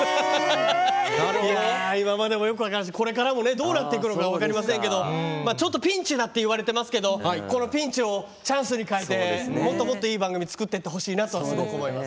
今までもよく分からんしこれからもどうなっていくか分かりませんけどちょっとピンチだって言われてますけどピンチをチャンスに変えてもっともっといい番組を作っていってほしいなとすごく思います。